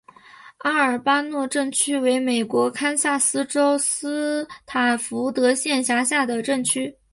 阿尔巴诺镇区为美国堪萨斯州斯塔福德县辖下的镇区。